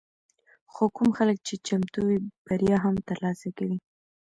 خو کوم خلک چې چمتو وي، بریا هم ترلاسه کوي.